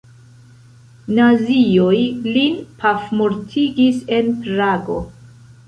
Nazioj lin pafmortigis en Prago.